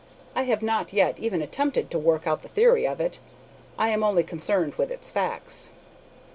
I have not yet even attempted to work out the theory of it. I am only concerned with its facts."